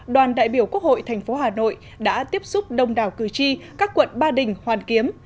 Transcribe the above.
đoàn đại biểu quốc hội tp hà nội đã tiếp xúc đông đảo cử tri các quận ba đình hoàn kiếm